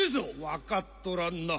分かっとらんな